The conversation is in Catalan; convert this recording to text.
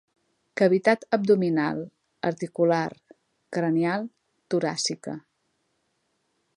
Cavitat abdominal, articular, cranial, toràcica.